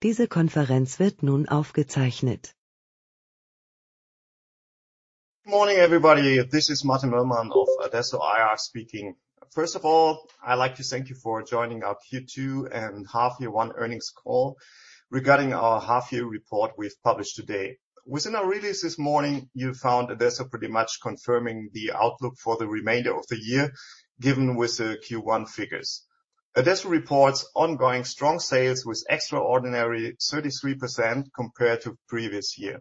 Good morning, everybody. This is Martin Möllmann of adesso IR speaking. First of all, I'd like to thank you for joining our Q2 and Half Year One Earnings Call regarding our half year report we've published today. Within our release this morning, you found adesso pretty much confirming the outlook for the remainder of the year, given with the Q1 figures. adesso reports ongoing strong sales with extraordinary 33% compared to previous year.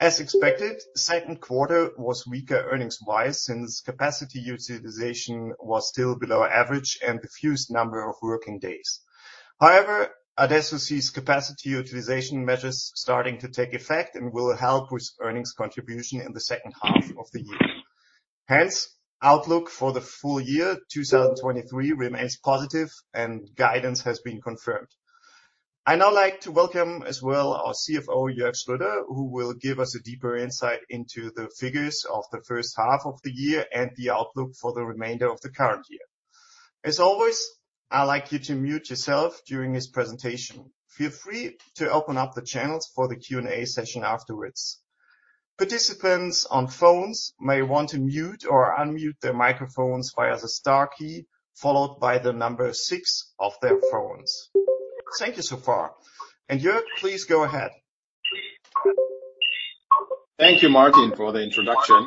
As expected, Q2 was weaker earnings-wise, since capacity utilization was still below average and the fewest number of working days. However, adesso sees capacity utilization measures starting to take effect and will help with earnings contribution in the second half of the year. Hence, outlook for the full year 2023 remains positive and guidance has been confirmed. I now like to welcome as well our CFO, Jörg Schroeder, who will give us a deeper insight into the figures of the first half of the year and the outlook for the remainder of the current year. As always, I'd like you to mute yourself during his presentation. Feel free to open up the channels for the Q&A session afterwards. Participants on phones may want to mute or unmute their microphones via the star key, followed by the number six of their phones. Thank you so far. Jörg, please go ahead. Thank you, Martin, for the introduction.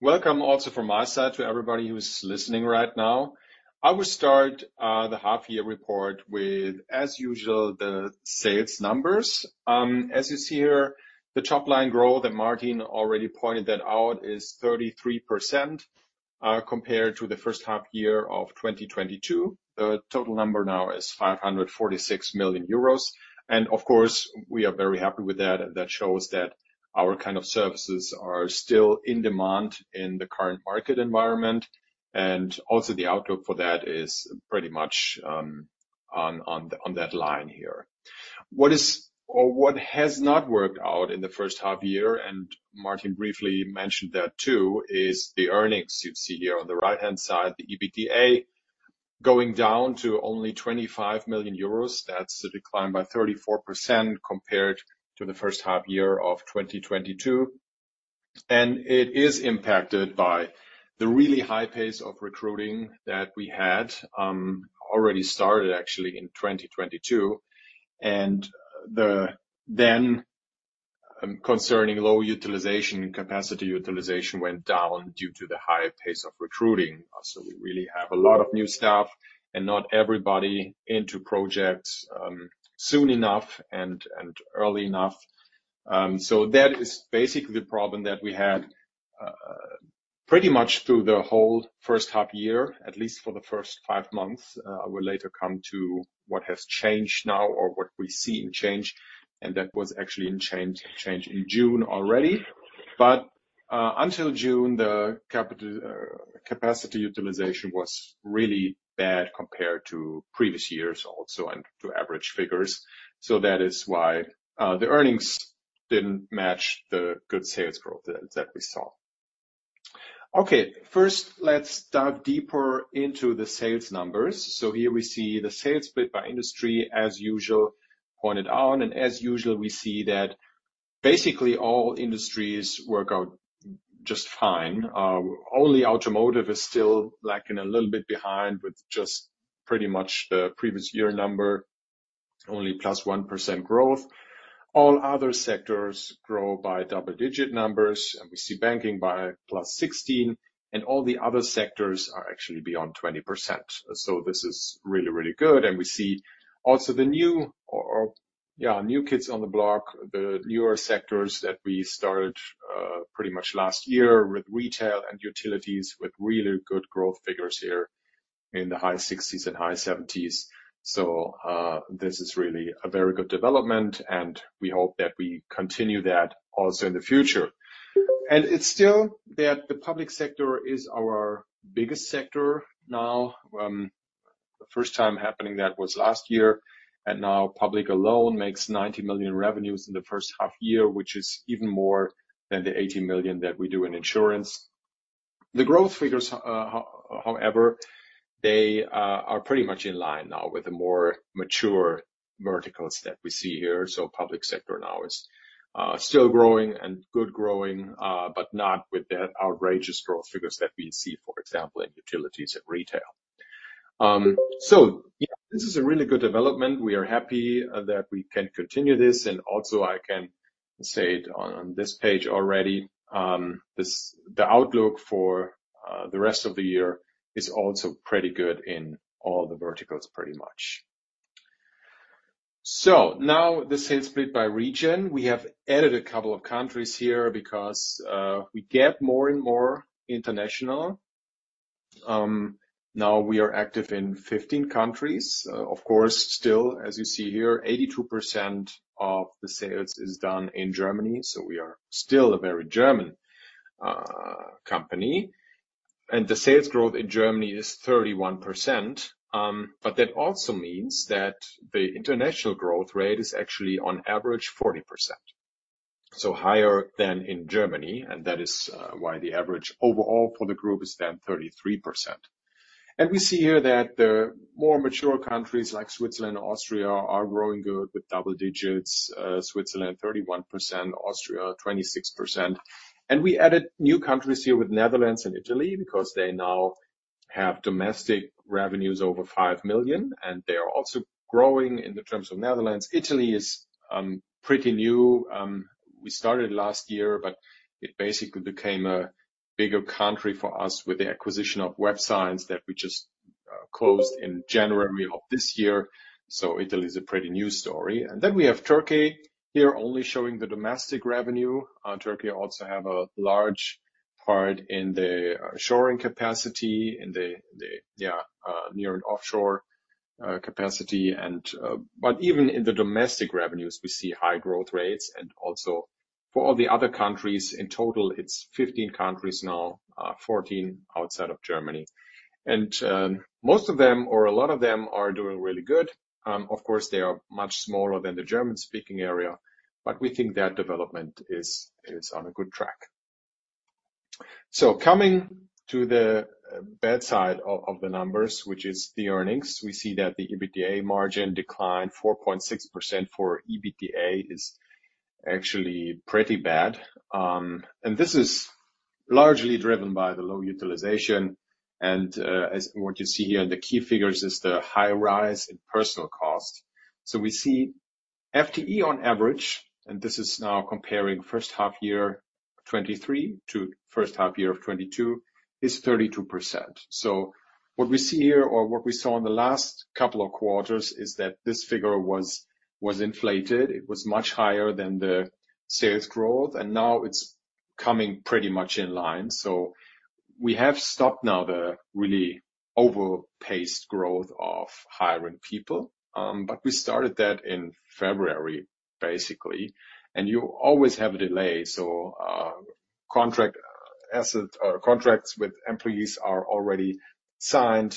Welcome also from my side to everybody who's listening right now. I will start the half year report with, as usual, the sales numbers. As you see here, the top line growth, and Martin already pointed that out, is 33% compared to the first half year of 2022. The total number now is 546 million euros, and of course, we are very happy with that. That shows that our kind of services are still in demand in the current market environment, and also the outlook for that is pretty much on, on, on that line here. What is or what has not worked out in the first half year, and Martin briefly mentioned that, too, is the earnings you see here on the right-hand side, the EBITDA, going down to only 25 million euros. That's a decline by 34% compared to the first half year of 2022. It is impacted by the really high pace of recruiting that we had, already started, actually, in 2022. Concerning low utilization, capacity utilization went down due to the high pace of recruiting. We really have a lot of new staff and not everybody into projects, soon enough and, and early enough. That is basically the problem that we had, pretty much through the whole H1 year, at least for the first five months. We'll later come to what has changed now or what we've seen change, and that was actually in change, change in June already. Until June, the capital, capacity utilization was really bad compared to previous years also and to average figures. That is why the earnings didn't match the good sales growth that, that we saw. Okay, first, let's dive deeper into the sales numbers. Here we see the sales split by industry as usual, pointed out, and as usual, we see that basically all industries work out just fine. Only automotive is still lacking a little bit behind with just pretty much the previous year number, only +1% growth. All other sectors grow by double-digit numbers, and we see banking by +16%, and all the other sectors are actually beyond 20%. This is really, really good. We see also the new or, or, yeah, new kids on the block, the newer sectors that we started, pretty much last year with retail and utilities, with really good growth figures here in the high 60s and high 70s. This is really a very good development, and we hope that we continue that also in the future. It's still that the public sector is our biggest sector now. The first time happening, that was last year, and now public alone makes 90 million revenues in the first half-year, which is even more than the 80 million that we do in insurance. The growth figures, however, they are pretty much in line now with the more mature verticals that we see here. Public sector now is still growing and good growing, but not with the outrageous growth figures that we see, for example, in utilities and retail. Yeah, this is a really good development. We are happy that we can continue this, and also I can say it on this page already, the outlook for the rest of the year is also pretty good in all the verticals, pretty much. Now the sales split by region. We have added a couple of countries here because we get more and more international. Now we are active in 15 countries. Of course, still, as you see here, 82% of the sales is done in Germany, so we are still a very German company, and the sales growth in Germany is 31%. That also means that the international growth rate is actually on average 40%. Higher than in Germany, and that is why the average overall for the group is then 33%. We see here that the more mature countries like Switzerland, Austria, are growing good with double digits. Switzerland, 31%, Austria, 26%. We added new countries here with Netherlands and Italy, because they now have domestic revenues over 5 million, and they are also growing in the terms of Netherlands. Italy is pretty new. We started last year, but it basically became a bigger country for us with the acquisition of Web Science that we just closed in January of this year. Italy is a pretty new story. We have Turkey, here only showing the domestic revenue. Turkey also have a large part in the shoring capacity, in the near and offshore capacity. Even in the domestic revenues, we see high growth rates and also for all the other countries. In total, it's 15 countries now, 14 outside of Germany. Most of them, or a lot of them are doing really good. Of course, they are much smaller than the German-speaking area, but we think their development is, is on a good track. Coming to the bad side of the numbers, which is the earnings, we see that the EBITDA margin declined 4.6% for EBITDA, is actually pretty bad. This is largely driven by the low utilization, and as what you see here in the key figures is the high rise in personal cost. We see FTE on average, and this is now comparing first half year 2023 to H1 year of 2022, is 32%. What we see here or what we saw in the last couple of quarters, is that this figure was, was inflated. It was much higher than the sales growth, and now it's coming pretty much in line. We have stopped now the really overpaced growth of hiring people. But we started that in February, basically, and you always have a delay. Contract asset or contracts with employees are already signed.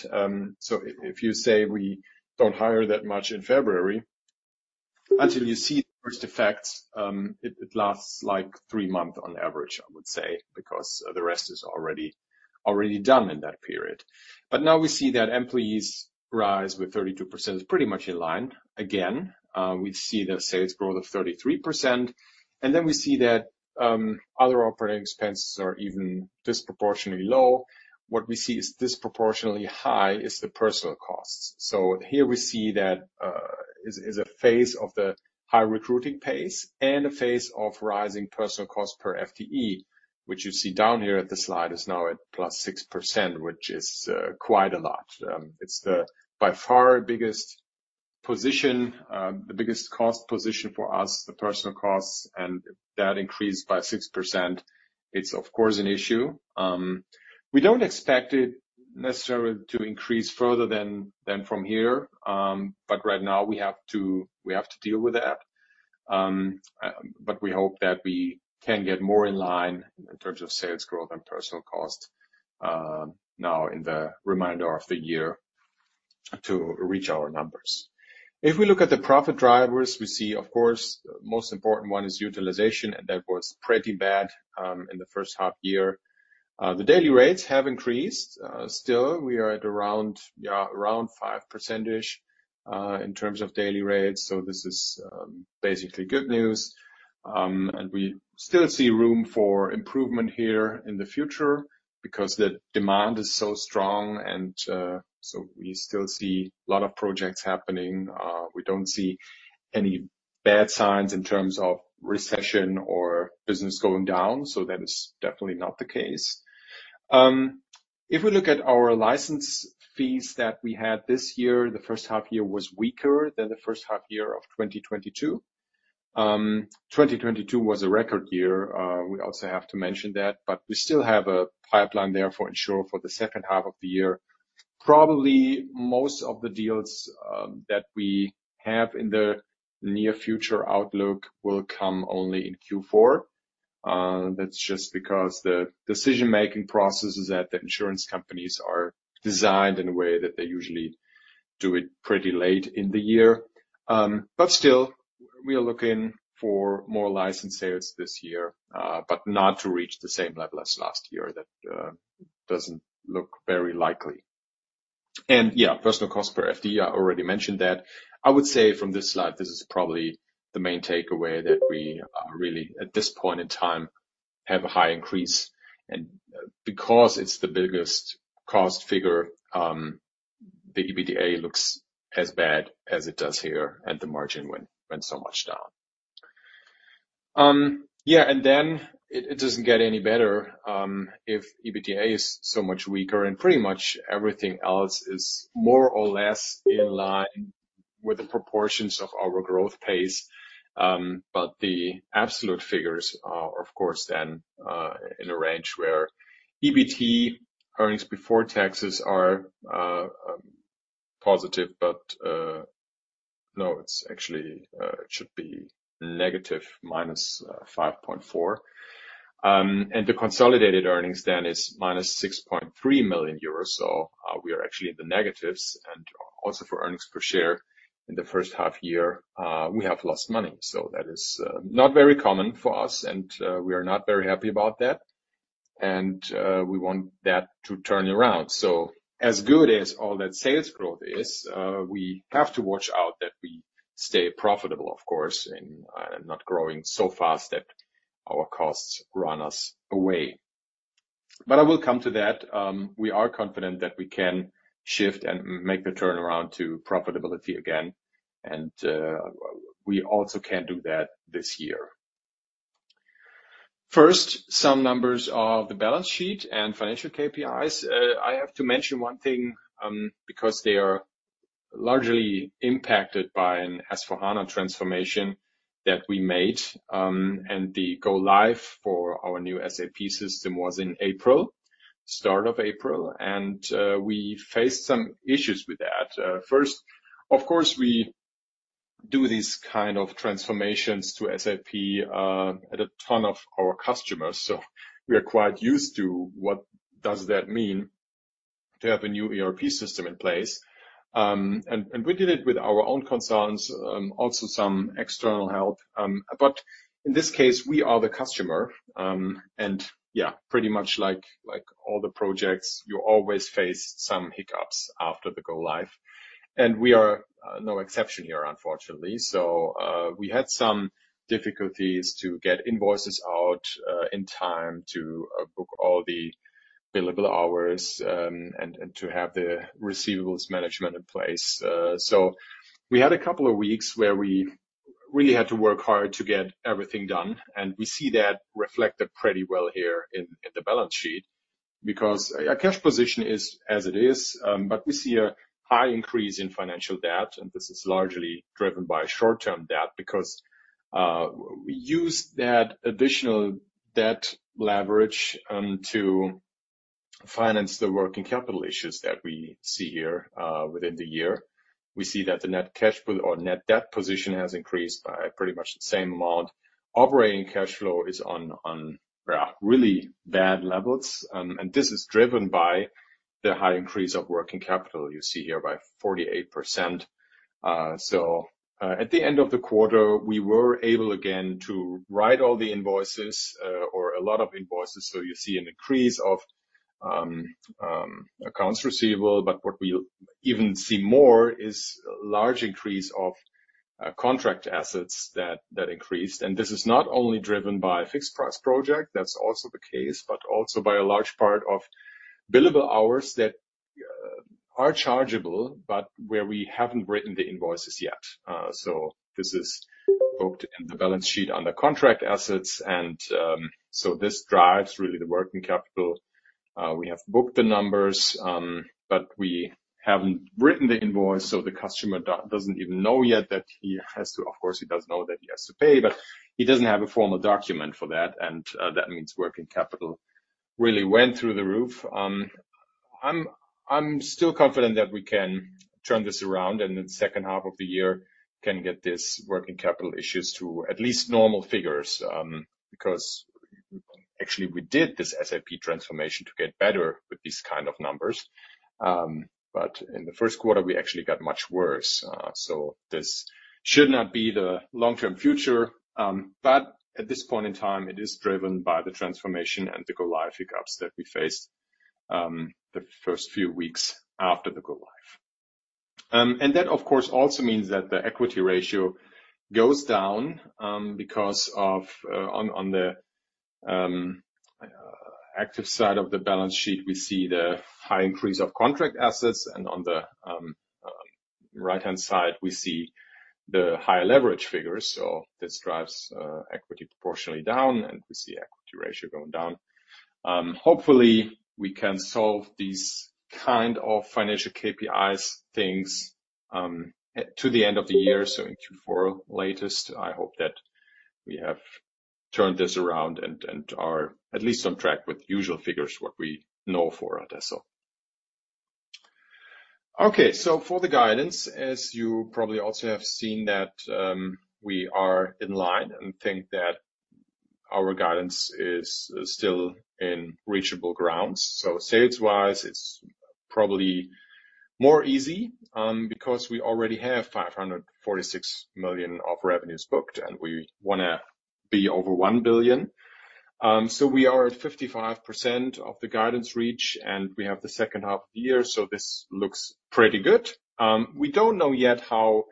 So if you say we don't hire that much in February, until you see the first effects, it, it lasts like three months on average, I would say, because the rest is already, already done in that period. Now we see that employees rise with 32% is pretty much in line. We see the sales growth of 33%, we see that other operating expenses are even disproportionately low. What we see is disproportionately high is the personal costs. Here we see that is a phase of the high recruiting pace and a phase of rising personal cost per FTE, which you see down here at the slide, is now at +6%, which is quite a lot. It's the, by far, biggest position, the biggest cost position for us, the personal costs, and that increased by 6%. It's of course, an issue. We don't expect it necessarily to increase further than from here, right now we have to, we have to deal with that. We hope that we can get more in line in terms of sales growth and personal cost now in the remainder of the year to reach our numbers. If we look at the profit drivers, we see, of course, the most important one is utilization, and that was pretty bad in the first half year. The daily rates have increased. Still, we are at around 5% in terms of daily rates. This is basically good news. We still see room for improvement here in the future because the demand is so strong and so we still see a lot of projects happening. We don't see any bad signs in terms of recession or business going down, so that is definitely not the case. If we look at our license fees that we had this year, the first half year was weaker than the first half year of 2022. 2022 was a record year. We also have to mention that, we still have a pipeline there for in|sure for the second half of the year. Probably most of the deals that we have in the near future outlook will come only in Q4. That's just because the decision-making processes at the insurance companies are designed in a way that they usually do it pretty late in the year. Still, we are looking for more license sales this year, not to reach the same level as last year. That doesn't look very likely. Yeah, personal cost per FTE, I already mentioned that. I would say from this slide, this is probably the main takeaway that we are really, at this point in time, have a high increase. Because it's the biggest cost figure, the EBITDA looks as bad as it does here, and the margin went, went so much down. Yeah, then it doesn't get any better if EBITDA is so much weaker and pretty much everything else is more or less in line with the proportions of our growth pace. But the absolute figures are, of course, then, in a range where EBT, earnings before taxes, are positive, but no, it's actually, it should be negative, EUR-5.4 million. The consolidated earnings then is EUR-6.3 million. We are actually in the negatives and also for EPS in the H1-year, we have lost money. That is not very common for us, and we are not very happy about that, and we want that to turn around. As good as all that sales growth is, we have to watch out that we stay profitable, of course, and not growing so fast that our costs run us away. I will come to that. We are confident that we can shift and make the turnaround to profitability again, and we also can do that this year. First, some numbers of the balance sheet and financial KPIs. I have to mention one thing, because they are largely impacted by an SAP S/4HANA transformation that we made, and the go-live for our new SAP system was in April, start of April, and we faced some issues with that. First, of course, we do these kind of transformations to SAP, at a ton of our customers, so we are quite used to what does that mean to have a new ERP system in place. And we did it with our own concerns, also some external help. In this case, we are the customer, and yeah, pretty much like, like all the projects, you always face some hiccups after the go-live. We are no exception here, unfortunately. We had some difficulties to get invoices out in time to book all the billable hours, and, and to have the receivables management in place. We had a couple of weeks where we really had to work hard to get everything done, and we see that reflected pretty well here in, in the balance sheet. Our cash position is as it is, but we see a high increase in financial debt, and this is largely driven by short-term debt because we use that additional debt leverage to finance the working capital issues that we see here within the year. We see that the net cash flow or net debt position has increased by pretty much the same amount. Operating cash flow is on really bad levels, and this is driven by the high increase of working capital you see here by 48%. At the end of the quarter, we were able again to write all the invoices, or a lot of invoices. You see an increase of accounts receivable, but what we even see more is a large increase of contract assets that, that increased. This is not only driven by a fixed price project, that's also the case, but also by a large part of billable hours that are chargeable, but where we haven't written the invoices yet. This is booked in the balance sheet under contract assets, and so this drives really the working capital. We have booked the numbers, but we haven't written the invoice, so the customer doesn't even know yet that he has to. Of course, he does know that he has to pay, but he doesn't have a formal document for that, and that means working capital really went through the roof. I'm still confident that we can turn this around and in the second half of the year can get this working capital issues to at least normal figures, because actually, we did this SAP transformation to get better with these kind of numbers. In the Q1, we actually got much worse. This should not be the long-term future, but at this point in time, it is driven by the transformation and the go-live hiccups that we faced, the first few weeks after the go-live. That, of course, also means that the equity ratio goes down, because of on, on the active side of the balance sheet, we see the high increase of contract assets, and on the right-hand side, we see the higher leverage figures. This drives equity proportionally down, and we see equity ratio going down. Hopefully, we can solve these kind of financial KPIs things, to the end of the year. In Q4 latest, I hope that we have turned this around and, and are at least on track with usual figures, what we know for adesso. For the guidance, as you probably also have seen that, we are in line and think that our guidance is, is still in reachable grounds. Sales-wise, it's probably more easy because we already have 546 million of revenues booked, and we wanna be over 1 billion. We are at 55% of the guidance reach, and we have the second half of the year, so this looks pretty good. We don't know yet how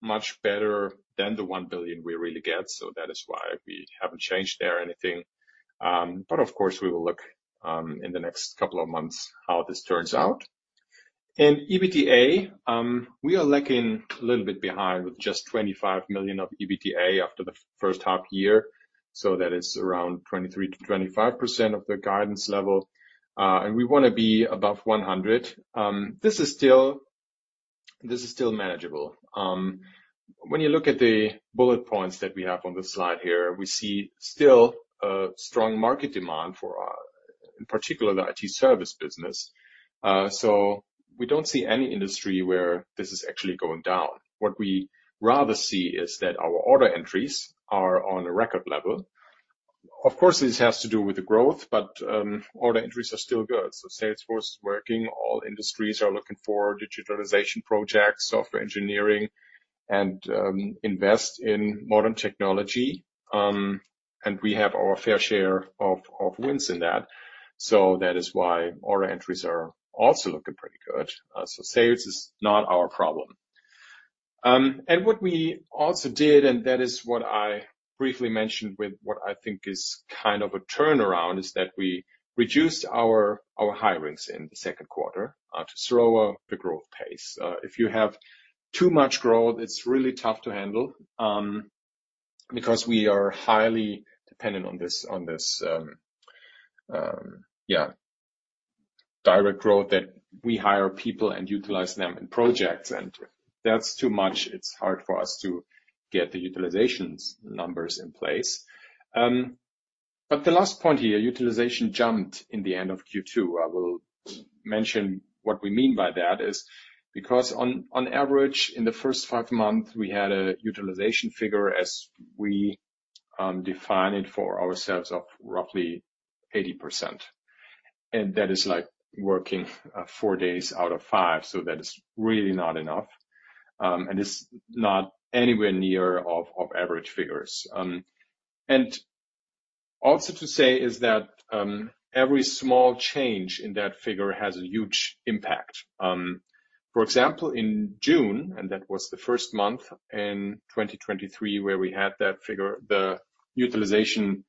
much better than the 1 billion we really get, so that is why we haven't changed there anything. Of course, we will look in the next couple of months how this turns out. In EBITDA, we are lacking a little bit behind with just 25 million of EBITDA after the first half year, so that is around 23%-25% of the guidance level, and we wanna be above 100 million. This is still, this is still manageable. When you look at the bullet points that we have on this slide here, we see still a strong market demand for our-... in particular, the IT service business. We don't see any industry where this is actually going down. What we rather see is that our order entries are on a record level. Of course, this has to do with the growth, but order entries are still good. Salesforce is working, all industries are looking for digitalization projects, software engineering, and invest in modern technology. We have our fair share of, of wins in that. That is why order entries are also looking pretty good. Sales is not our problem. What we also did, and that is what I briefly mentioned with what I think is kind of a turnaround, is that we reduced our, our hirings in the Q2, to slower the growth pace. If you have too much growth, it's really tough to handle, because we are highly dependent on this, on this, direct growth, that we hire people and utilize them in projects, and that's too much. It's hard for us to get the utilizations numbers in place. The last point here, utilization jumped in the end of Q2. I will mention what we mean by that is because on, on average, in the first five months, we had a utilization figure as we define it for ourselves of roughly 80%, and that is like working four days out of five, so that is really not enough. It's not anywhere near of, of average figures. Also to say is that every small change in that figure has a huge impact. For example, in June, and that was the first month in 2023, where we had that figure, the utilization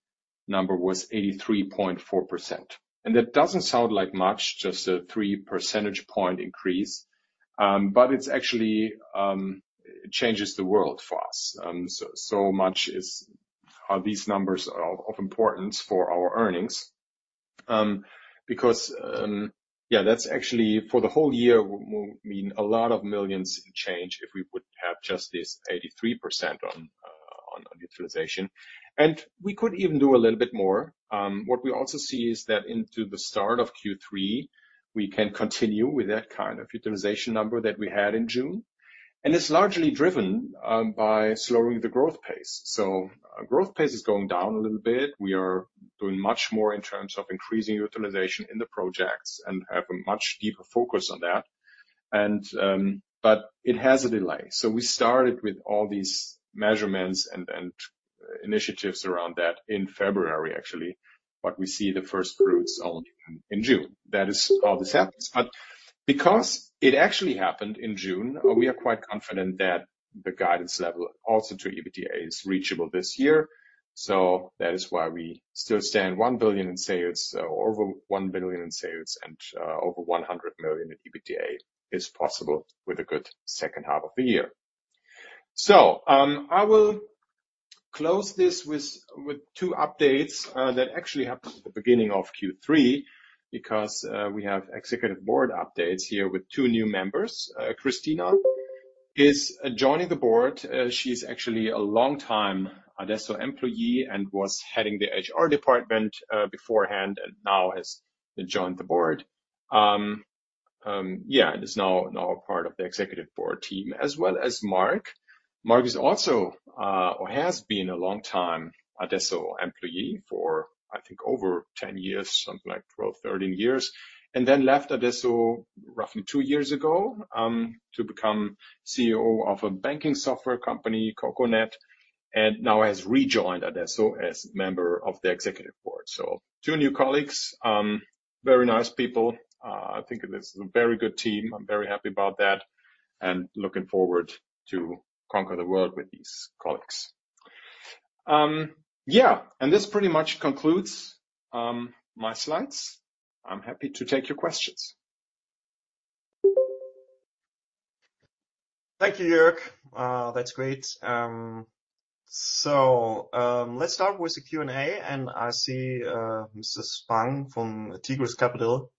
number was 83.4%. That doesn't sound like much, just a three percentage point increase, but it's actually it changes the world for us. So much are these numbers are of importance for our earnings. Because, yeah, that's actually, for the whole year, mean a lot of millions in change if we would have just this 83% on utilization. We could even do a little bit more. What we also see is that into the start of Q3, we can continue with that kind of utilization number that we had in June, and it's largely driven by slowing the growth pace. Our growth pace is going down a little bit. We are doing much more in terms of increasing utilization in the projects and have a much deeper focus on that. It has a delay. We started with all these measurements and initiatives around that in February, actually, we see the first fruits only in June. That is how this happens. Because it actually happened in June, we are quite confident that the guidance level, also to EBITDA, is reachable this year. That is why we still stand 1 billion in sales, over 1 billion in sales and over 100 million in EBITDA, is possible with a good second half of the year. I will close this with, with two updates that actually happened at the beginning of Q3, because we have executive board updates here with two new members. Kristina is joining the board. She's actually a longtime adesso employee and was heading the HR department beforehand, and now has joined the board. Yeah, and is now, now a part of the executive board team, as well as Mark. Mark is also, or has been a long-time adesso employee for, I think, over 10 years, something like 12, 13 years, and then left adesso roughly two years ago, to become CEO of a banking software company, CoCoNet AG, and now has rejoined adesso as member of the Executive Board. Two new colleagues, very nice people. I think it is a very good team. I'm very happy about that, and looking forward to conquer the world with these colleagues. Yeah, and this pretty much concludes my slides. I'm happy to take your questions. Thank you, Jörg. That's great. Let's start with the Q&A, and I see Mr. Spang from Tigris Capital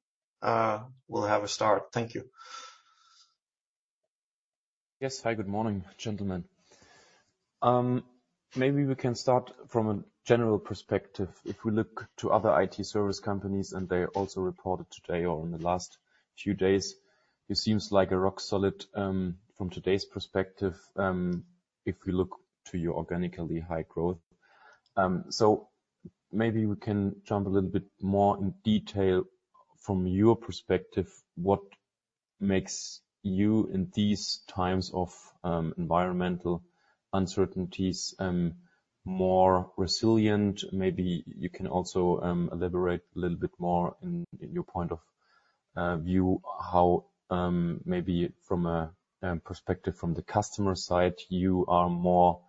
will have a start. Thank you. Yes. Hi, good morning, gentlemen. Maybe we can start from a general perspective. If we look to other IT service companies, and they also reported today or in the last few days, it seems like a rock solid, from today's perspective, if we look to your organically high growth. So maybe we can jump a little bit more in detail from your perspective, what makes you, in these times of, environmental uncertainties, more resilient? Maybe you can also elaborate a little bit more in, in your point of view, how, maybe from a perspective from the customer side, you are more,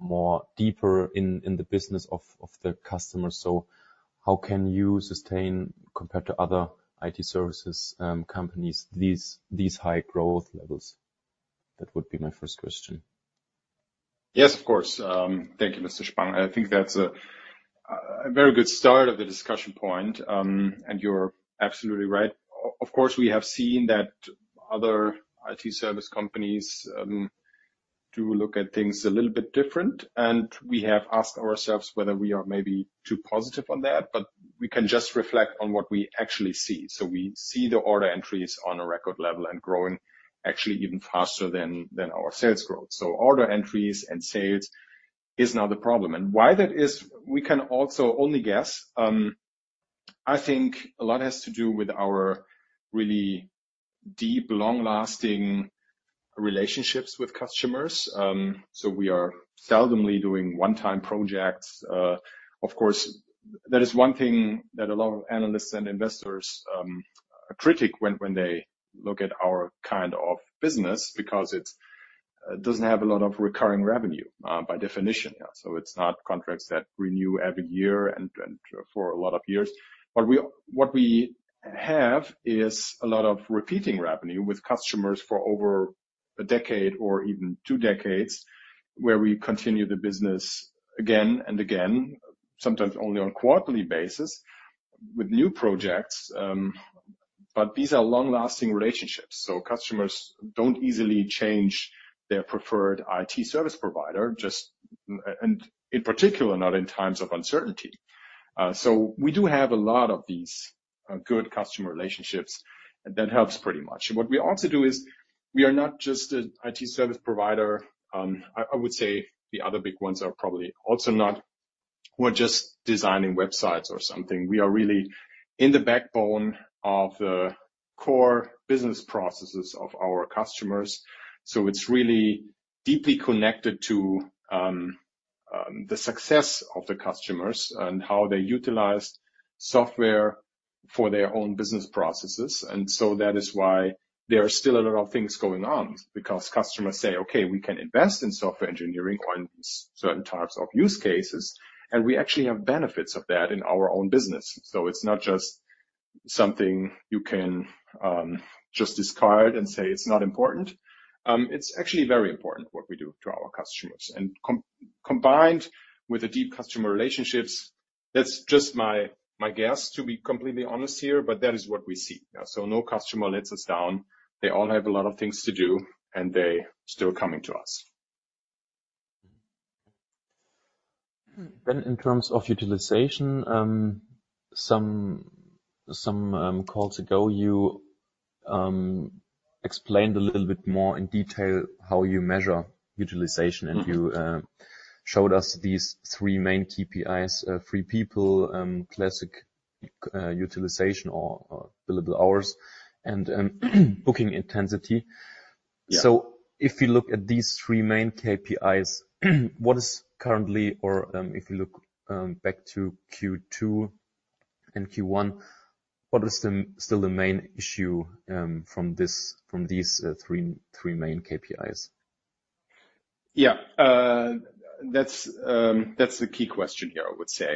more deeper in, in the business of, of the customer. So how can you sustain, compared to other IT services, companies, these, these high growth levels? That would be my first question. Yes, of course. Thank you, Mr. Spang. I think that's a, a very good start of the discussion point, and you're absolutely right. Of course, we have seen that other IT service companies do look at things a little bit different, and we have asked ourselves whether we are maybe too positive on that, but we can just reflect on what we actually see. We see the order entries on a record level and growing actually even faster than, than our sales growth. Order entries and sales is not the problem. Why that is, we can also only guess. I think a lot has to do with our really deep, long-lasting relationships with customers. We are seldomly doing one-time projects. Of course, that is one thing that a lot of analysts and investors critic when, when they look at our kind of business, because it's doesn't have a lot of recurring revenue, by definition, yeah. It's not contracts that renew every year and, and for a lot of years. What we have is a lot of repeating revenue with customers for over a decade or even two decades, where we continue the business again and again, sometimes only on quarterly basis with new projects, but these are long-lasting relationships. Customers don't easily change their preferred IT service provider, just, and in particular, not in times of uncertainty. We do have a lot of these good customer relationships, and that helps pretty much. What we also do is, we are not just an IT service provider. I, I would say the other big ones are probably also not. We're just designing websites or something. We are really in the backbone of the core business processes of our customers, so it's really deeply connected to the success of the customers and how they utilize software for their own business processes. That is why there are still a lot of things going on, because customers say, "Okay, we can invest in software engineering on certain types of use cases, and we actually have benefits of that in our own business." It's not just something you can just discard and say, "It's not important." It's actually very important what we do to our customers. Combined with the deep customer relationships, that's just my, my guess, to be completely honest here, but that is what we see. Yeah, so no customer lets us down. They all have a lot of things to do, and they're still coming to us. In terms of utilization, some, some, calls ago, you, explained a little bit more in detail how you measure utilization, and you, showed us these three main KPIs: free people, classic, utilization or, or billable hours, and, booking intensity. Yeah. If you look at these three main KPIs, what is currently, or, if you look, back to Q2 and Q1, what is the, still the main issue, from this- from these, three, three main KPIs? That's, that's the key question here, I would say.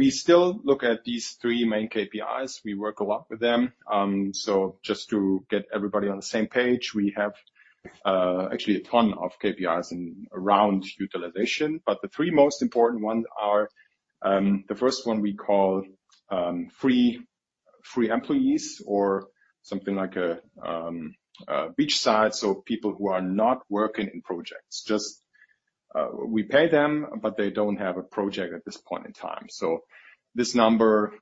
We still look at these three main KPIs. We work a lot with them. Just to get everybody on the same page, we have, actually a ton of KPIs around utilization, but the three most important ones are, the first one we call, free, free employees or something like a, a beach side, people who are not working in projects. We pay them, but they don't have a project at this point in time. This number,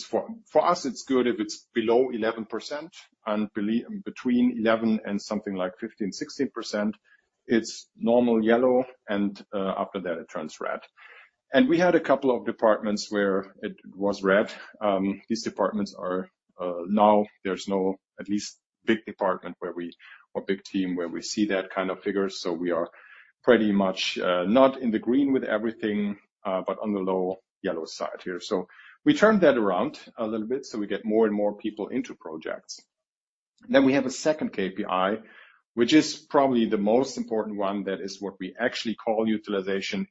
for us, it's good if it's below 11%, and between 11% and something like 15%, 16%, it's normal yellow, and after that, it turns red. We had a couple of departments where it was red. These departments are, now there's no, at least, big department where we or big team where we see that kind of figure. We are pretty much not in the green with everything, but on the low yellow side here. We turned that around a little bit. We get more and more people into projects. We have a second KPI, which is probably the most important one. That is what we actually call utilization.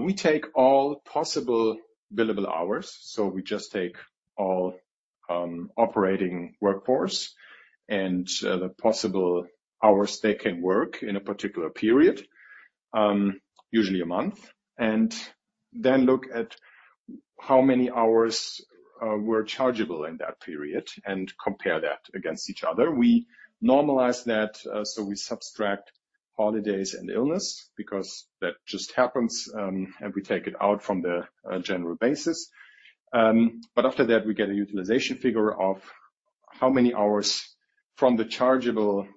We take all possible billable hours, we just take all operating workforce and the possible hours they can work in a particular period, usually a month, and then look at how many hours were chargeable in that period and compare that against each other. We normalize that, so we subtract holidays and illness because that just happens, and we take it out from the general basis. After that, we get a utilization figure of how many hours from the chargeable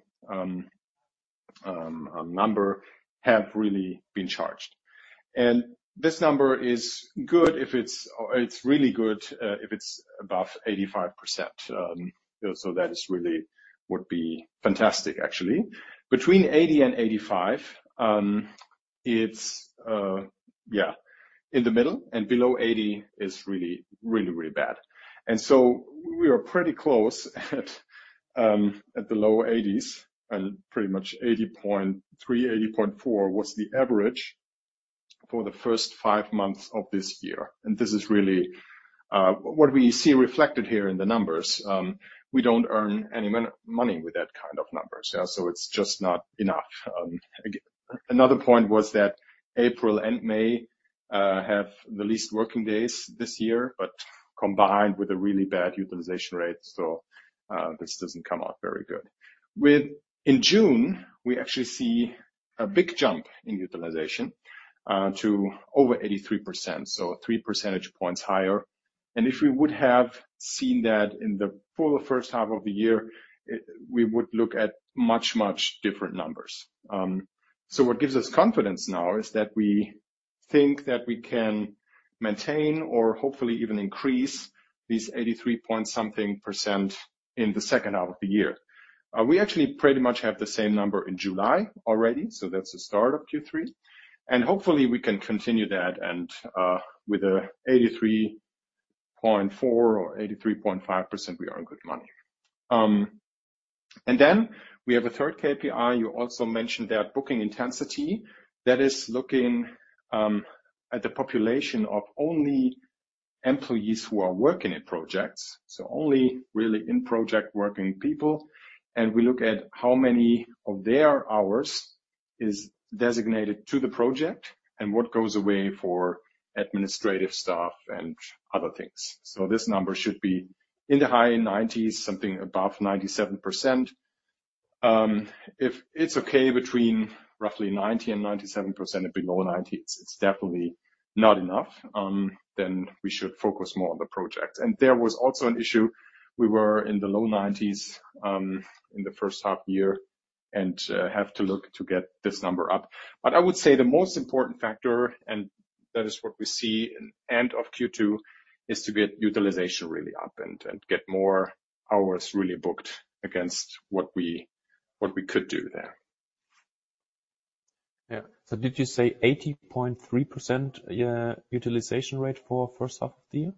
number have really been charged. This number is good if it's really good, if it's above 85%. That is really would be fantastic, actually. Between 80 and 85, it's, yeah, in the middle, and below 80 is really, really, really bad. We are pretty close at the low 80s, and pretty much 80.3, 80.4 was the average for the first five months of this year. This is really what we see reflected here in the numbers. We don't earn any money with that kind of numbers. Yeah, so it's just not enough. Another point was that April and May have the least working days this year, but combined with a really bad utilization rate, this doesn't come out very good. In June, we actually see a big jump in utilization to over 83%, so three percentage points higher. If we would have seen that in the for the first half of the year, it, we would look at much, much different numbers. What gives us confidence now is that we think that we can maintain or hopefully even increase these 83 point something % in the second half of the year. We actually pretty much have the same number in July already, so that's the start of Q3, and hopefully we can continue that. With a 83.4% or 83.5%, we are in good money. Then we have a third KPI. You also mentioned that booking intensity, that is looking at the population of only employees who are working in projects, so only really in-project working people. And we look at how many of their hours is designated to the project and what goes away for administrative staff and other things. So this number should be in the high 90s, something above 97%. If it's okay, between roughly 90% and 97% and below 90, it's, it's definitely not enough, then we should focus more on the project. And there was also an issue. We were in the low 90s in the H1 year, and have to look to get this number up. I would say the most important factor, and that is what we see in end of Q2, is to get utilization really up and get more hours really booked against what we, what we could do there. Yeah. Did you say 80.3%, yeah, utilization rate for first half of the year?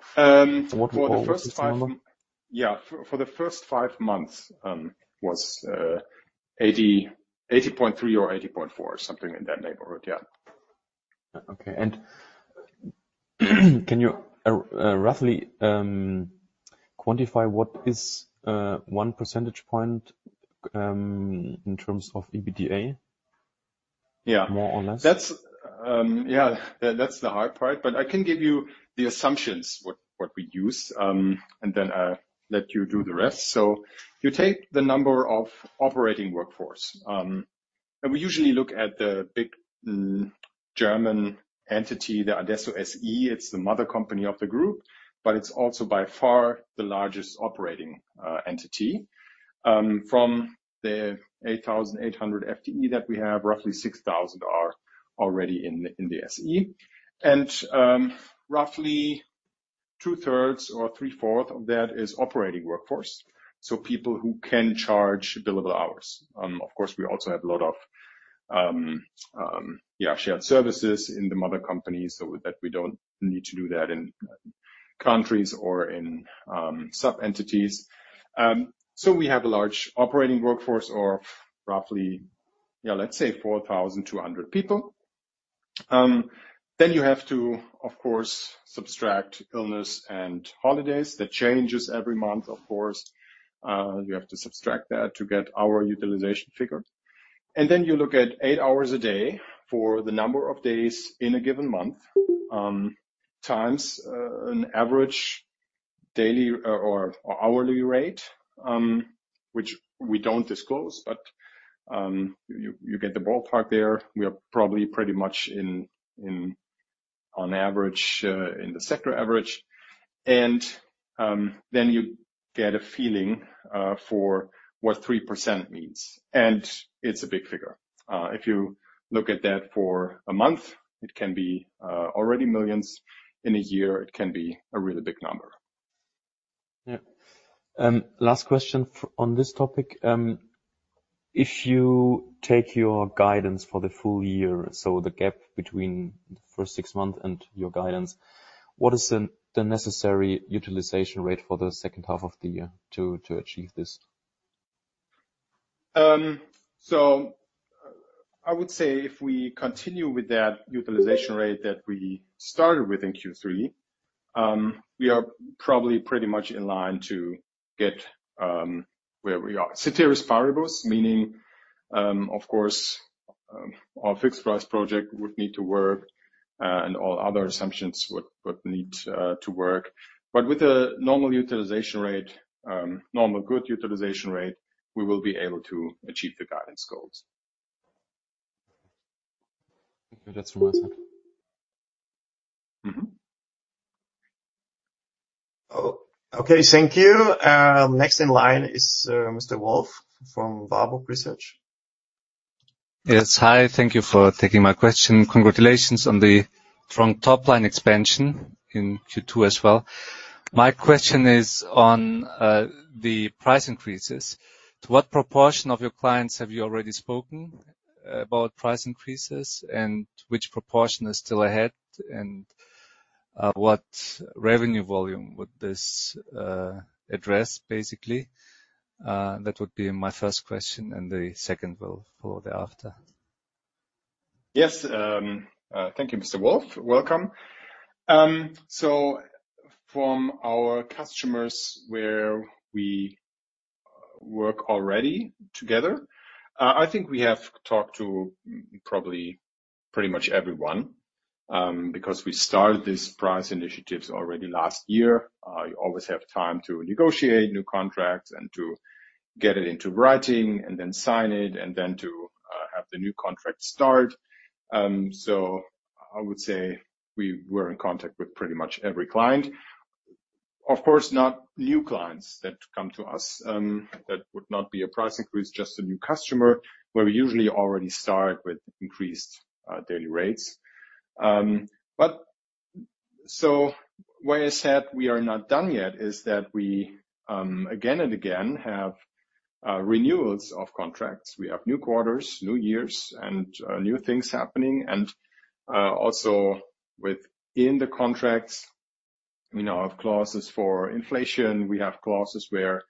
For the first five- What were all the system number? Yeah, for, for the first five months, was 80, 80.3 or 80.4, something in that neighborhood. Yeah. Okay. Can you, roughly, quantify what is, one percentage point, in terms of EBITDA? Yeah. More or less. That's, Yeah, that's the hard part, but I can give you the assumptions, what, what we use, and then let you do the rest. You take the number of operating workforce. We usually look at the big German entity, the adesso SE. It's the mother company of the group, but it's also by far the largest operating entity. From the 8,800 FTE that we have, roughly 6,000 are already in, in the SE. Roughly 2/3 or 3/4 of that is operating workforce, so people who can charge billable hours. Of course, we also have a lot of, yeah, shared services in the mother company, so that we don't need to do that in countries or in sub-entities. We have a large operating workforce, or roughly, yeah, let's say 4,200 people. Then you have to, of course, subtract illness and holidays. That changes every month, of course. You have to subtract that to get our utilization figure. Then you look at eight hours a day for the number of days in a given month, times, an average daily or, or hourly rate, which we don't disclose, but, you, you get the ballpark there. We are probably pretty much in, in, on average, in the sector average. Then you get a feeling, for what 3% means, and it's a big figure. If you look at that for a month, it can be, already millions. In a year, it can be a really big number. Yeah. Last question on this topic. If you take your guidance for the full year, so the gap between the first six months and your guidance, what is the necessary utilization rate for the second half of the year to achieve this? I would say if we continue with that utilization rate that we started with in Q3, we are probably pretty much in line to get where we are. Ceteris paribus, meaning, of course, our fixed price project would need to work, and all other assumptions would, would need to work. With a normal utilization rate, normal good utilization rate, we will be able to achieve the guidance goals. Okay, that's from my side. Mm-hmm. Oh, okay. Thank you. Next in line is Mr. Wolf from Warburg Research. Yes. Hi, thank you for taking my question. Congratulations on the strong top-line expansion in Q2 as well. My question is on the price increases. To what proportion of your clients have you already spoken about price increases, and which proportion is still ahead, and what revenue volume would this address, basically? That would be my first question, and the second will follow after. Yes, thank you, Mr. Wolf. Welcome. From our customers where we work already together, I think we have talked to probably pretty much everyone, because we started this price initiatives already last year. You always have time to negotiate new contracts and to get it into writing and then sign it, and then to have the new contract start. I would say we were in contact with pretty much every client. Of course, not new clients that come to us, that would not be a price increase, just a new customer, where we usually already start with increased daily rates. Why I said we are not done yet, is that we, again and again, have renewals of contracts. We have new quarters, new years, and new things happening. Also within the contracts, we now have clauses for inflation. We have clauses where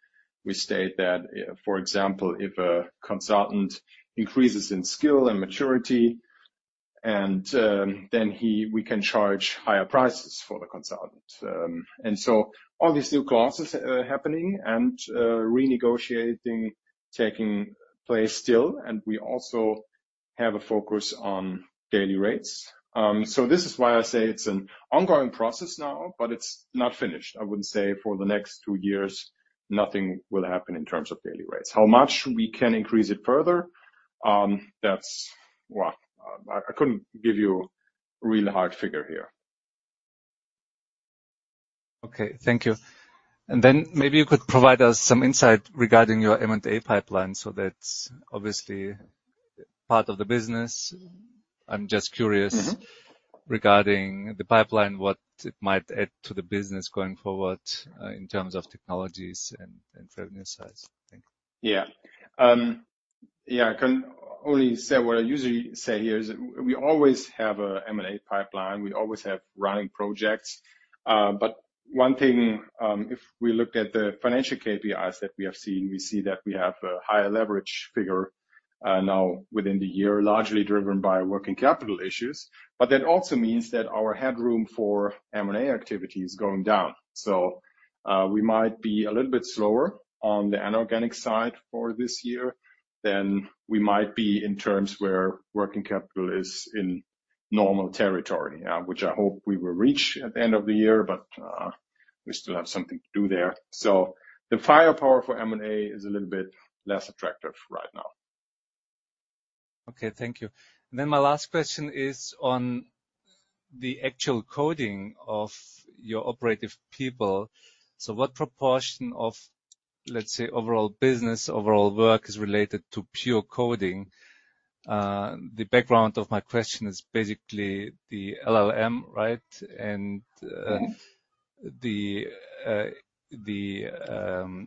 we state that, for example, if a consultant increases in skill and maturity, then we can charge higher prices for the consultant. All these new clauses are happening and renegotiating taking place still, and we also have a focus on daily rates. This is why I say it's an ongoing process now, but it's not finished. I wouldn't say for the next two years, nothing will happen in terms of daily rates. How much we can increase it further, Well, I, I couldn't give you a really hard figure here. Okay, thank you. Maybe you could provide us some insight regarding your M&A pipeline. That's obviously part of the business. I'm just curious- Mm-hmm. regarding the pipeline, what it might add to the business going forward, in terms of technologies and, and revenue size. Thank you. Yeah. Yeah, I can only say what I usually say here is, we always have a M&A pipeline. We always have running projects. One thing, if we look at the financial KPIs that we have seen, we see that we have a higher leverage figure, now within the year, largely driven by working capital issues. That also means that our headroom for M&A activity is going down. We might be a little bit slower on the inorganic side for this year than we might be in terms where working capital is in normal territory, which I hope we will reach at the end of the year, but we still have something to do there. The firepower for M&A is a little bit less attractive right now. Okay, thank you. My last question is on the actual coding of your operative people. What proportion of, let's say, overall business, overall work is related to pure coding? The background of my question is basically the LLM, right? Mm-hmm. the, the,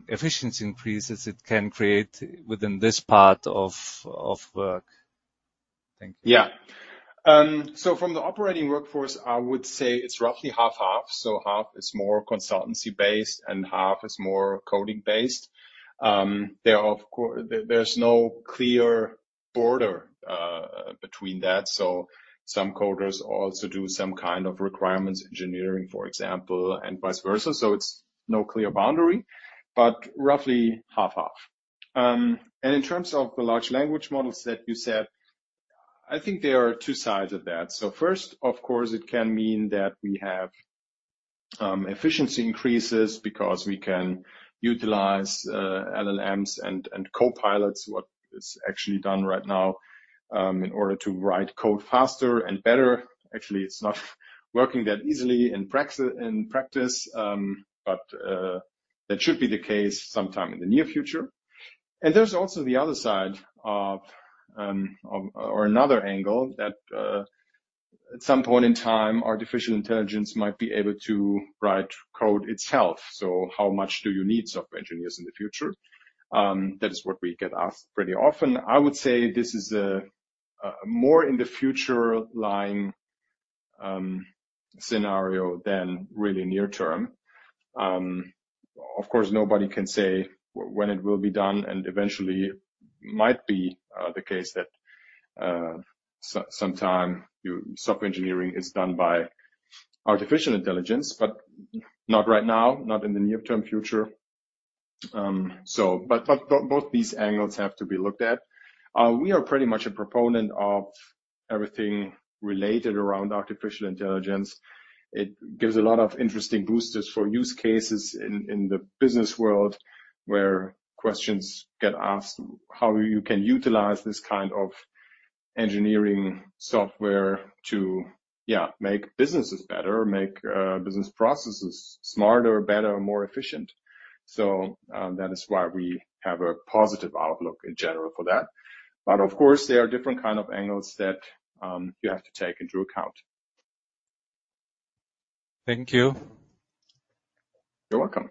efficiency increases it can create within this part of, of work. Thank you. Yeah. From the operating workforce, I would say it's roughly half-half. Half is more consultancy-based and half is more coding-based. There, of course, there's no clear border between that, so some coders also do some kind of requirements engineering, for example, and vice versa. It's no clear boundary, but roughly half-half. In terms of the large language models that you said, I think there are two sides of that. First, of course, it can mean that we have efficiency increases because we can utilize LLMs and, and copilots, what is actually done right now, in order to write code faster and better. Actually, it's not working that easily in praxi-- in practice, but that should be the case sometime in the near future. There's also the other side of another angle that at some point in time, artificial intelligence might be able to write code itself. How much do you need software engineers in the future? That is what we get asked pretty often. I would say this is a more in the future line scenario than really near term. Of course, nobody can say when it will be done, and eventually might be the case that sometime your software engineering is done by artificial intelligence, but not right now, not in the near-term future. Both these angles have to be looked at. We are pretty much a proponent of everything related around artificial intelligence. It gives a lot of interesting boosters for use cases in, in the business world, where questions get asked, how you can utilize this kind of engineering software to, yeah, make businesses better or make business processes smarter, better, and more efficient. That is why we have a positive outlook in general for that. Of course, there are different kind of angles that you have to take into account. Thank you. You're welcome.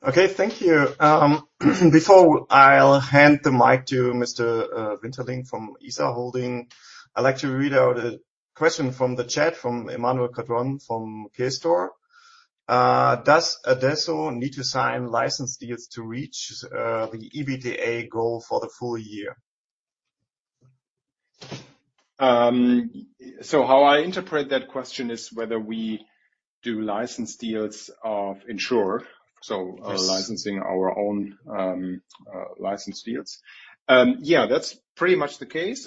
Okay, thank you. Before I'll hand the mic to Mr. Winterling from ISA Holding. I'd like to read out a question from the chat, from Emmanuel Cadron from K Store. Does adesso need to sign license deals to reach the EBITDA goal for the full year? How I interpret that question is whether we do license deals of insure. Yes. licensing our own license deals. Yeah, that's pretty much the case.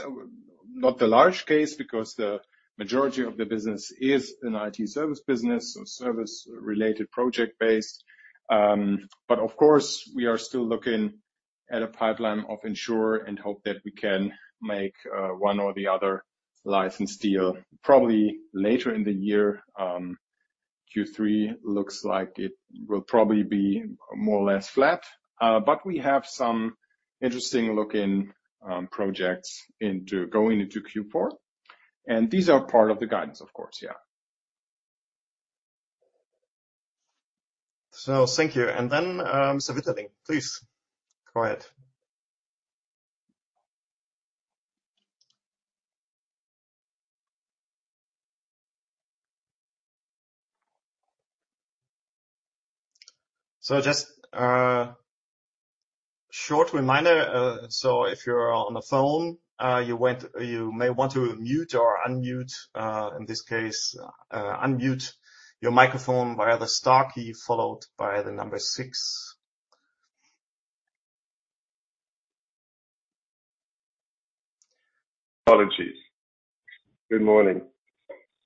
Not the large case, because the majority of the business is an IT service business, so service-related project-based. Of course, we are still looking at a pipeline of insure and hope that we can make one or the other license deal probably later in the year. Q3 looks like it will probably be more or less flat, we have some interesting looking projects going into Q4, and these are part of the guidance, of course, yeah. Thank you. Mr. Winterling, please go ahead. Just a short reminder, if you're on the phone, you may want to mute or unmute, in this case, unmute your microphone via the star key, followed by the number six. Apologies. Good morning.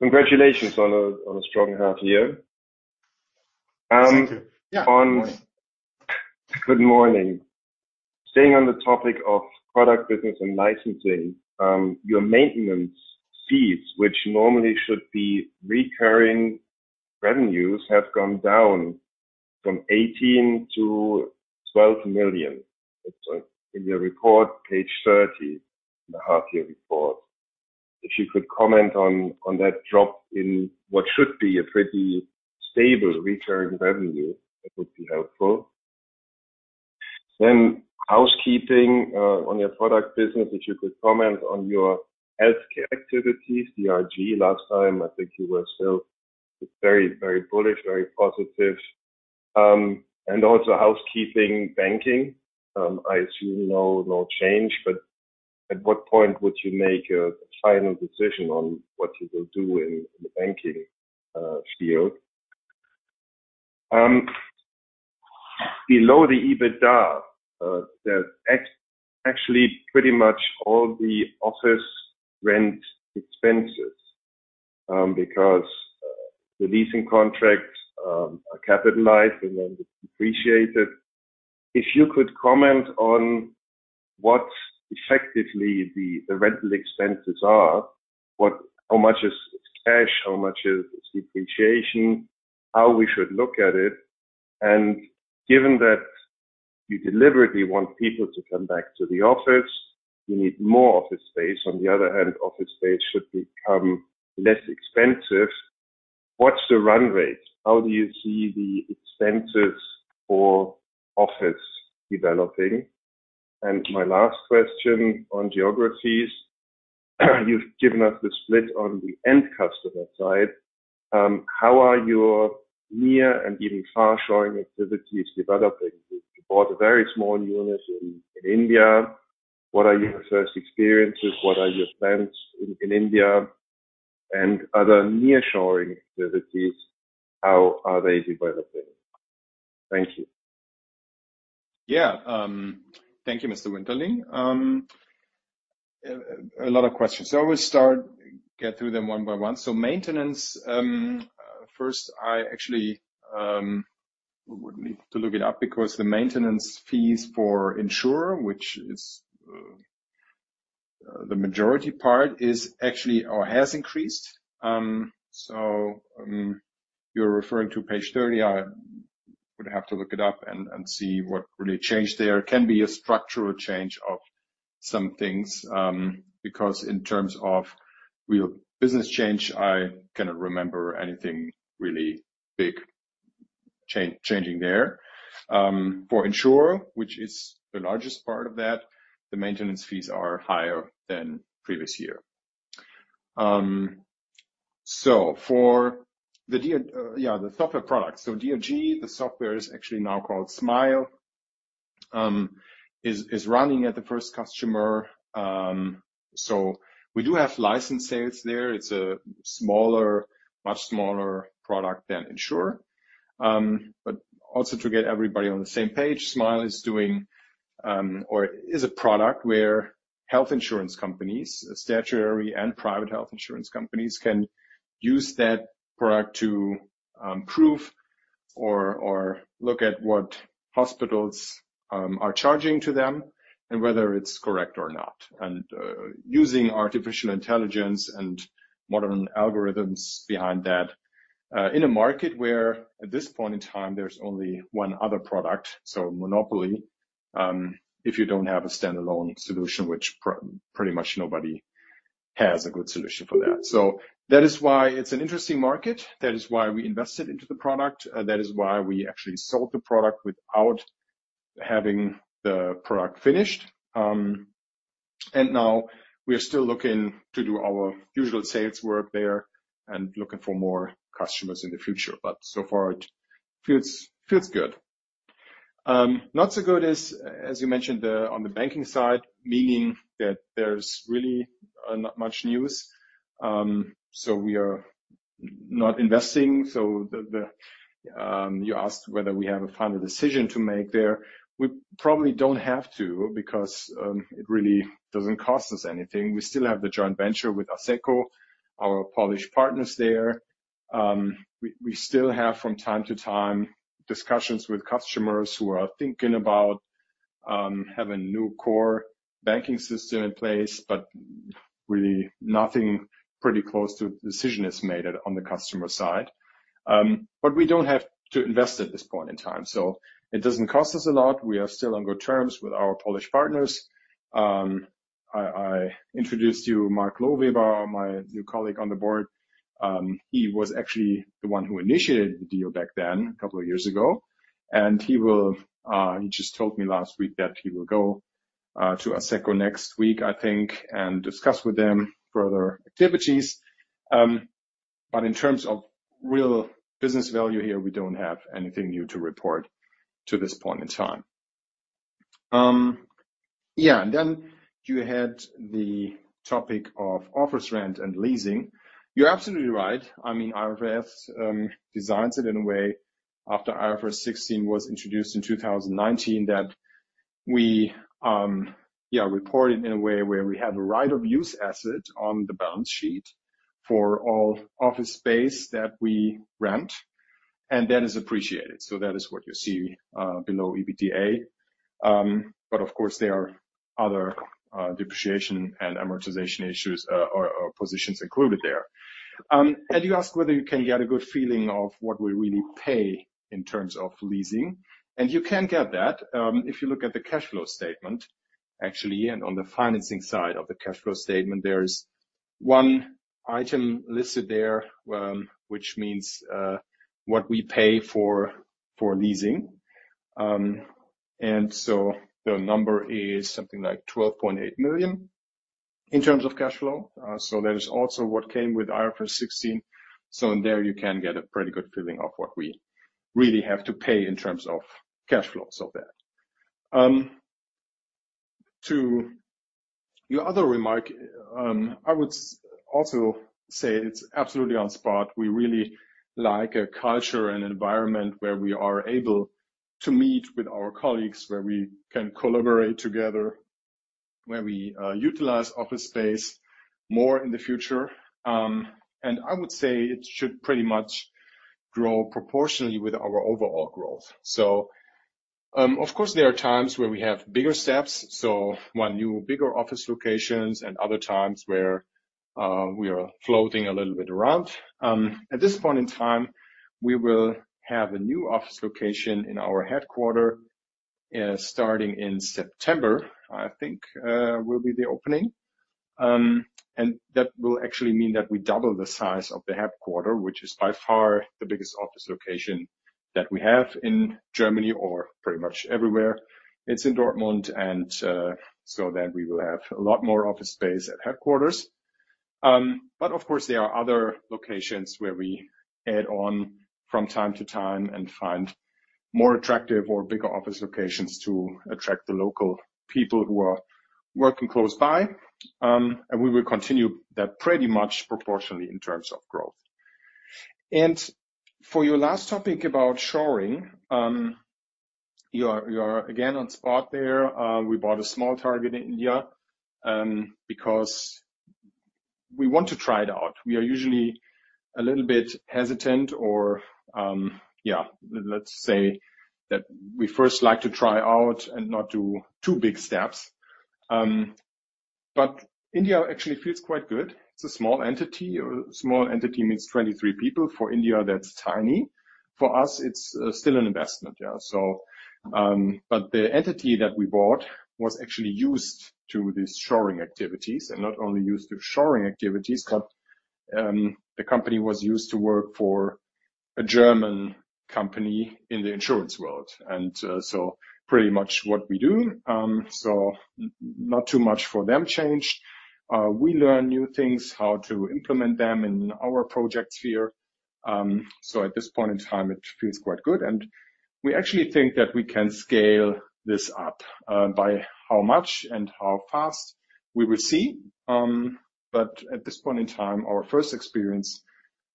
Congratulations on a, on a strong half year. Thank you. Yeah, good morning. Good morning. Staying on the topic of product business and licensing, your maintenance fees, which normally should be recurring revenues, have gone down from 18 million to 12 million. In your report, page 30, in the half-year report. If you could comment on that drop in what should be a pretty stable recurring revenue, that would be helpful. Housekeeping on your product business, if you could comment on your healthcare activities, DRG. Last time, I think you were still very, very bullish, very positive. Also housekeeping, banking. I see no change, but at what point would you make a final decision on what you will do in the banking field? Below EBITDA, there's actually pretty much all the office rent expenses, because the leasing contracts are capitalized and then depreciated. If you could comment on what effectively the, the rental expenses are, what-- how much is cash, how much is depreciation, how we should look at it? Given that you deliberately want people to come back to the office, you need more office space. On the other hand, office space should become less expensive. What's the run rate? How do you see the expenses for office developing? My last question on Geographies. You've given us the split on the end customer side. How are your near and even far showing activities developing? You bought a very small unit in, in India. What are your first experiences? What are your plans in, in India and other nearshoring activities, how are they developing? Thank you. Yeah. Thank you, Mr. Winterling. A lot of questions. I will start, get through them one by one. Maintenance, first, I actually would need to look it up because the maintenance fees for in|sure, which is the majority part, is actually or has increased. You're referring to page 30. I would have to look it up and, and see what really changed there. It can be a structural change of some things, because in terms of real business change, I cannot remember anything really big changing there. For in|sure, which is the largest part of that, the maintenance fees are higher than previous year. The software product. DRG, the software is actually now called adesso smile, is running at the first customer. We do have license sales there. It's a smaller, much smaller product than in|sure. Also to get everybody on the same page, adesso smile is doing, or is a product where health insurance companies, statutory and private health insurance companies, can use that product to, prove or, or look at what hospitals, are charging to them and whether it's correct or not. Using artificial intelligence and modern algorithms behind that, in a market where at this point in time, there's only one other product, monopoly, if you don't have a standalone solution, which pretty much nobody has a good solution for that. That is why it's an interesting market. That is why we invested into the product. That is why we actually sold the product without having the product finished. Now we are still looking to do our usual sales work there and looking for more customers in the future, but so far it feels, feels good. Not so good is, as you mentioned, the- on the banking side, meaning that there's really not much news. We are not investing. The, the, you asked whether we have a final decision to make there. We probably don't have to because it really doesn't cost us anything. We still have the joint venture with Asseco, our Polish partners there. We, we still have from time to time, discussions with customers who are thinking about having a new core banking system in place, but really nothing pretty close to decision is made on the customer side. We don't have to invest at this point in time, so it doesn't cost us a lot. We are still on good terms with our Polish partners. I, I introduced you, Mark Lohweber, my new colleague on the board. He was actually the one who initiated the deal back then, a couple of years ago. He will, he just told me last week that he will go to Asseco next week, I think, and discuss with them further activities. In terms of real business value here, we don't have anything new to report to this point in time. You had the topic of office rent and leasing. You're absolutely right. I mean, IFRS designs it in a way, after IFRS 16 was introduced in 2019, that we, yeah, report it in a way where we have a Right-of-use asset on the balance sheet for all office space that we rent, and that is appreciated. That is what you see below EBITDA. Of course, there are other depreciation and amortization issues, or positions included there. You ask whether you can get a good feeling of what we really pay in terms of leasing, and you can get that. If you look at the cash flow statement, actually, and on the financing side of the cash flow statement, there is one item listed there, which means what we pay for leasing. So the number is something like 12.8 million in terms of cash flow. So that is also what came with IFRS 16. So in there you can get a pretty good feeling of what we really have to pay in terms of cash flow. So that. To your other remark, I would also say it's absolutely on spot. We really like a culture and environment where we are able to meet with our colleagues, where we can collaborate together, where we utilize office space more in the future. I would say it should pretty much grow proportionally with our overall growth. Of course, there are times where we have bigger steps, so one new bigger office locations and other times where we are floating a little bit around. At this point in time, we will have a new office location in our headquarters, starting in September, I think, will be the opening. That will actually mean that we double the size of the headquarters, which is by far the biggest office location that we have in Germany or pretty much everywhere. It's in Dortmund. We will have a lot more office space at headquarters. Of course, there are other locations where we add on from time to time and find more attractive or bigger office locations to attract the local people who are working close by. We will continue that pretty much proportionally in terms of growth. For your last topic about shoring, you are, you are again, on spot there. We bought a small target in India because we want to try it out. We are usually a little bit hesitant or, yeah, let's say that we first like to try out and not do two big steps. India actually feels quite good. It's a small entity. A small entity means 23 people. For India, that's tiny. For us, it's still an investment. The entity that we bought was actually used to these shoring activities, and not only used to shoring activities, but the company was used to work for a German company in the insurance world. Pretty much what we do, not too much for them changed. We learn new things, how to implement them in our project sphere. At this point in time, it feels quite good, and we actually think that we can scale this up, by how much and how fast we will see. At this point in time, our first experience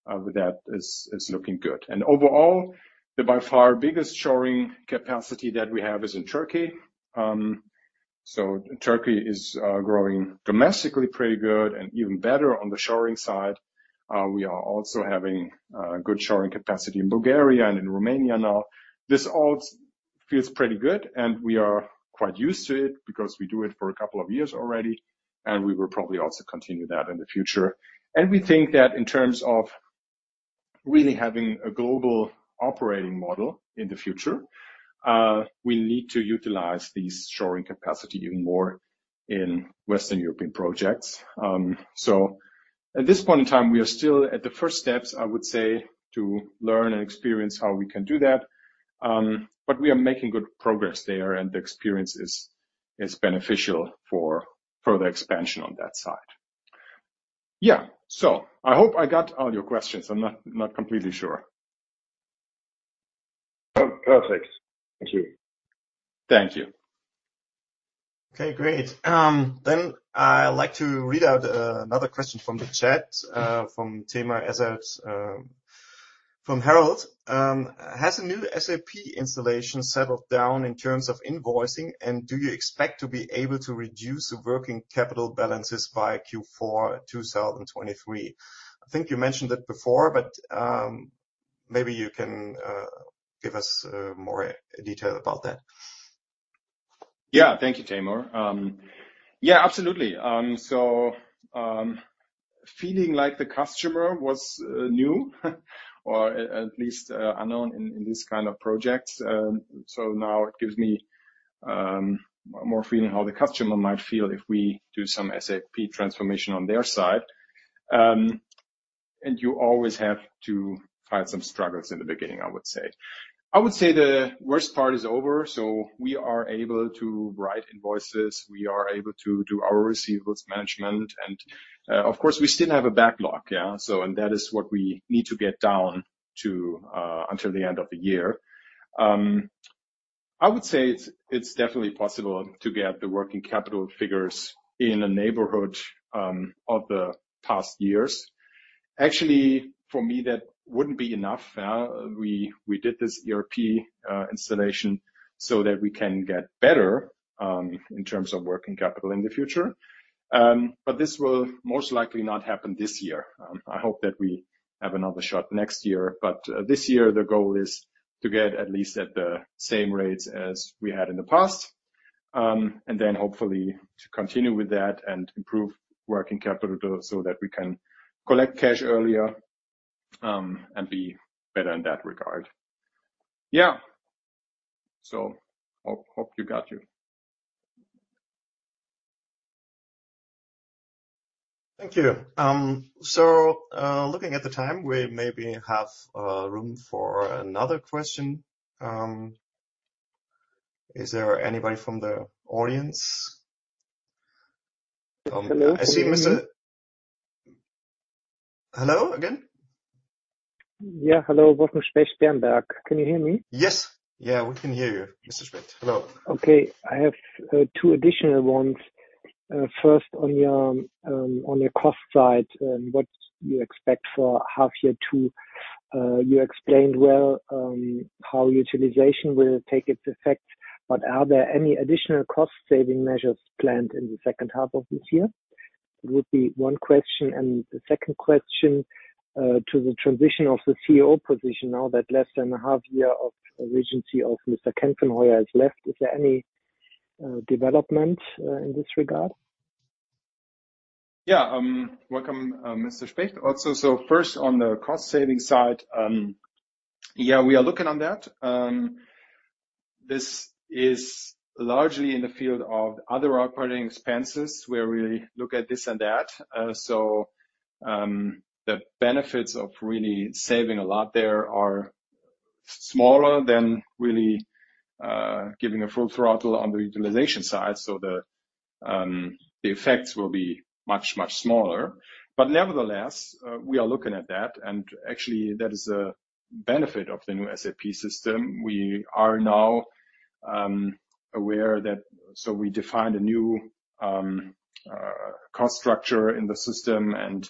with that is, is looking good. Overall, the by far biggest shoring capacity that we have is in Turkey. Turkey is growing domestically, pretty good and even better on the shoring side. We are also having good shoring capacity in Bulgaria and in Romania now. This all feels pretty good, and we are quite used to it because we do it for a couple of years already, and we will probably also continue that in the future. We think that in terms of really having a global operating model in the future, we need to utilize these shoring capacity even more.... in Western European projects. At this point in time, we are still at the first steps, I would say, to learn and experience how we can do that. We are making good progress there, and the experience is, is beneficial for further expansion on that side. I hope I got all your questions. I'm not, not completely sure. Perfect. Thank you. Thank you. Okay, great. I'd like to read out another question from the chat, from Tamer Ezzat, from Harold. Has a new SAP installation settled down in terms of invoicing, and do you expect to be able to reduce the working capital balances by Q4, 2023? I think you mentioned it before, maybe you can give us more detail about that. Yeah. Thank you, Tamer. Yeah, absolutely. Feeling like the customer was new, or at least unknown in, in this kind of project. Now it gives me more feeling how the customer might feel if we do some SAP transformation on their side. And you always have to find some struggles in the beginning, I would say. I would say the worst part is over, so we are able to write invoices, we are able to do our receivables management, and, of course, we still have a backlog. Yeah. And that is what we need to get down to until the end of the year. I would say it's, it's definitely possible to get the working capital figures in a neighborhood of the past years. Actually, for me, that wouldn't be enough. We, we did this ERP installation so that we can get better in terms of working capital in the future. This will most likely not happen this year. I hope that we have another shot next year. This year the goal is to get at least at the same rates as we had in the past, and then hopefully to continue with that and improve working capital so that we can collect cash earlier and be better in that regard. Hope, hope you got you. Thank you. Looking at the time, we maybe have room for another question. Is there anybody from the audience? I see, Mr... Hello. Hello again. Yeah, hello. Welcome, Specht Sternberg. Can you hear me? Yes. Yeah, we can hear you, Mr. Specht. Hello. Okay, I have two additional ones. First, on your, on your cost side, what you expect for half year two? You explained well, how utilization will take its effect, but are there any additional cost-saving measures planned in the second half of this year? It would be one question. The second question, to the transition of the CEO position, now that less than a half-year of regency of Mr. Kenfenheuer has left, is there any development in this regard? Yeah. Welcome, Mr. Specht, also. First, on the cost-saving side, yeah, we are looking on that. The benefits of really saving a lot there are smaller than really giving a full throttle on the utilization side, so the effects will be much, much smaller. But nevertheless, we are looking at that, and actually, that is a benefit of the new SAP system. We are now aware that... We defined a new cost structure in the system and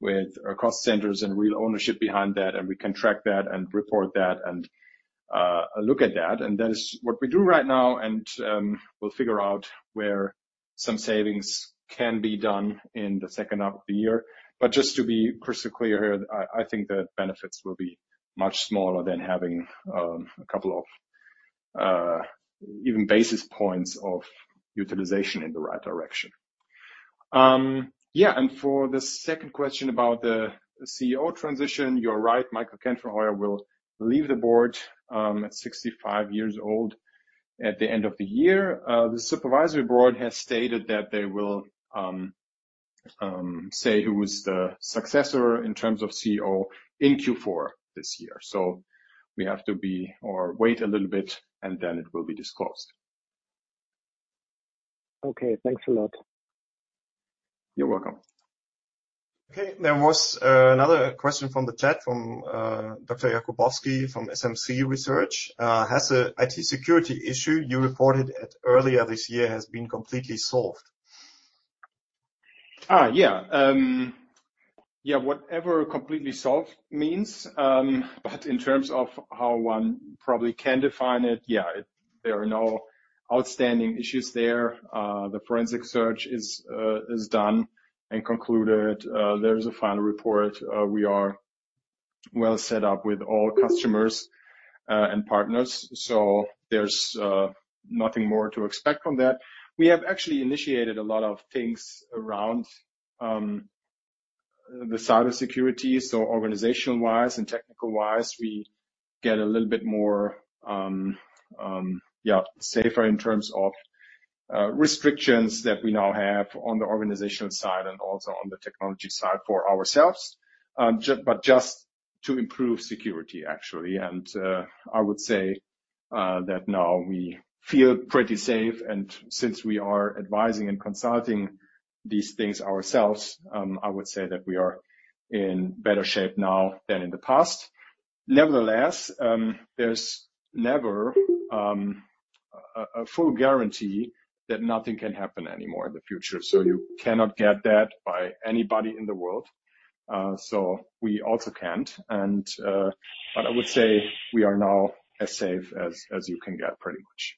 with our cost centers and real ownership behind that, and we can track that and report that and look at that. That is what we do right now, and we'll figure out where some savings can be done in the second half of the year. Just to be crystal clear here, I, I think the benefits will be much smaller than having a couple of even basis points of utilization in the right direction. For the second question about the CEO transition, you're right, Michael Kenfenheuer will leave the board at 65 years old, at the end of the year. The supervisory board has stated that they will say, who is the successor in terms of CEO in Q4 this year. We have to wait a little bit, and then it will be disclosed. Okay, thanks a lot. You're welcome. Okay. There was, another question from the chat from, Dr. Jakubowski from SMC Research: Has the IT security issue you reported at earlier this year has been completely solved? Whatever completely solved means, but in terms of how one probably can define it, there are no outstanding issues there. The forensic search is done and concluded. There is a final report. We are well set up with all customers and partners, so there's nothing more to expect from that. We have actually initiated a lot of things around the cybersecurity, so organization-wise and technical-wise, we get a little bit more safer in terms of restrictions that we now have on the organizational side and also on the technology side for ourselves. Just to improve security, actually. I would say that now we feel pretty safe, and since we are advising and consulting these things ourselves, I would say that we are in better shape now than in the past. Nevertheless, there's never a full guarantee that nothing can happen anymore in the future. You cannot get that by anybody in the world. We also can't, and, but I would say we are now as safe as, as you can get, pretty much.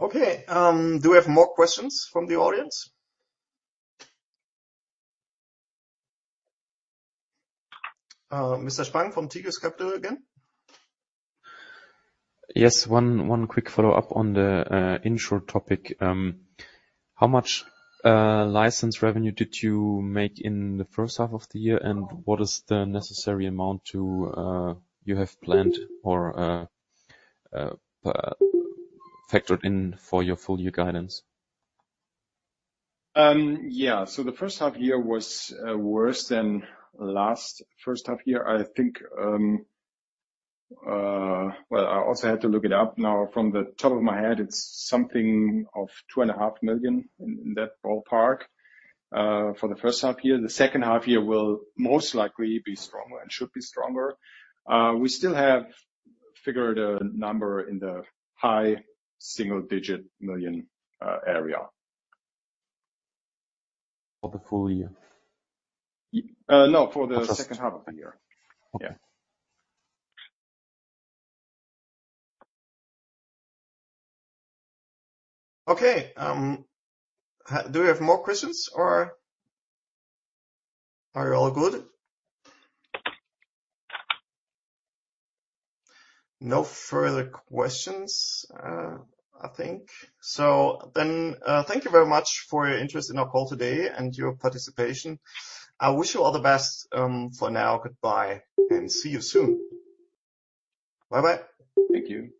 Okay, do we have more questions from the audience? Mr. Spang from Tigris Capital again. Yes, one, one quick follow-up on the intro topic. How much license revenue did you make in the first half of the year? What is the necessary amount to you have planned or factored in for your full year guidance? Yeah. The H1-year was worse than last first half-year. I think, Well, I also had to look it up. Now, from the top of my head, it's something of 2.5 million in, in that ballpark, for the H1-year. The second half-year will most likely be stronger and should be stronger. We still have figured a number in the high single-digit million area. For the full year? No. Okay. second half of the year. Okay. Okay, do we have more questions or are you all good? No further questions, I think. Thank you very much for your interest in our call today and your participation. I wish you all the best. For now, goodbye, and see you soon. Bye-bye. Thank you.